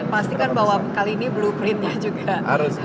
pastikan bahwa kali ini blueprintnya juga